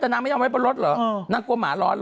แต่นางไม่ยอมไว้บนรถเหรอนางกลัวหมาร้อนเหรอ